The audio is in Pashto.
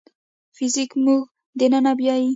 فزیک موږ دننه بیايي.